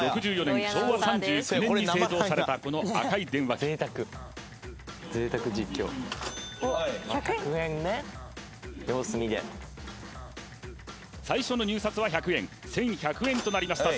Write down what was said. １９６４年昭和３９年に製造されたこの赤い電話機１００円ね様子見で最初の入札は１００円１１００円となりました